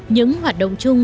những hoạt động chung